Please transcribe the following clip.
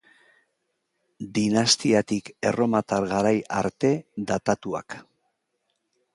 Dinastiatik erromatar garai arte datatuak.